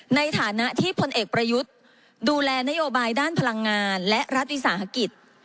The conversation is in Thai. ในฐานะที่พลเอกประยุทธ์ดูแลนโยบายด้านพลังงานและรัฐวิสาหกิจ